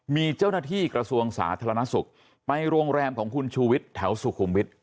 มีเจ้าหน้าที่กระทรวงสาธารณสุขไปโรงแรมของคุณชูวิทย์แถวสุขุมวิทย